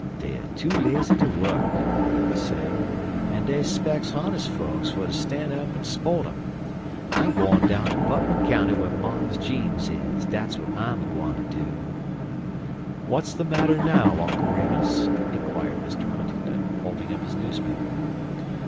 "Dey er too lazy ter wuk," he was saying, "en dey specks hones' fokes fer ter stan' up en s'port um. I'm gwine down ter Putmon County whar Mars Jeems is dat's w'at I'm agwine ter do." "What's the matter now, Uncle Remus?" inquired Mr. Huntingdon, folding up his newspaper.